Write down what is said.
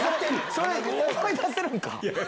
それ、思い出せるんか？